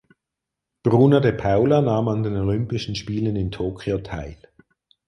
Bruna de Paula nahm an den Olympischen Spielen in Tokio teil.